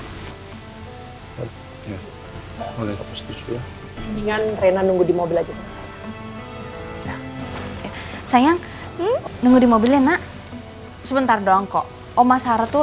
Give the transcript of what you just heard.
dengan rena nunggu di mobil aja sayang nunggu di mobil enak sebentar dong kok oma sarah tuh